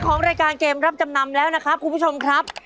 ของรายการเกมรับจำนำแล้วนะครับคุณผู้ชมครับ